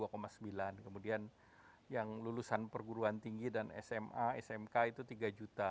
kemudian yang lulusan perguruan tinggi dan sma smk itu tiga juta